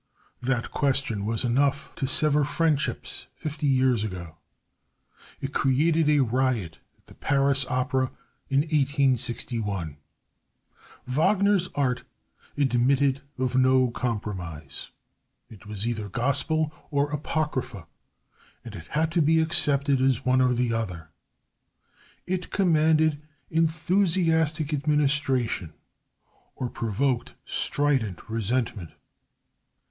That question was enough to sever friendships fifty years ago. It created a riot at the Paris Opera in 1861. Wagner's Art admitted of no compromise. It was either Gospel or Apocrypha, and it had to be accepted as one or the other. It commanded enthusiastic admiration or provoked strident resentment.